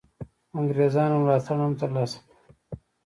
انګرېزانو ملاتړ هم تر لاسه کړي.